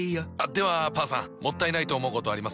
ではパンさんもったいないと思うことあります？